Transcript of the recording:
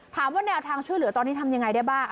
แนวทางช่วยเหลือตอนนี้ทำยังไงได้บ้าง